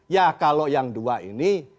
ya kalau yang dua ini